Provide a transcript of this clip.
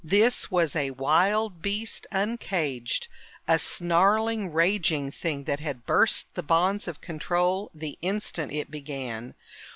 This was a wild beast uncaged, a snarling, raging thing that had burst the bonds of control the instant it began.